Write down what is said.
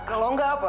kalau enggak apa